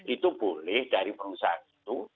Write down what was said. itu boleh dari perusahaan itu